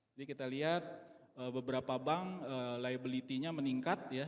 jadi kita lihat beberapa bank liability nya meningkat